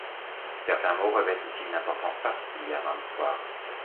Certains mots revêtent ici une importance particulière dans l'histoire.